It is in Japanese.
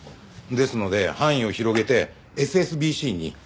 ですので範囲を広げてＳＳＢＣに今頼んでます。